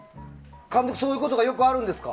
そういうことがよくあるんですか？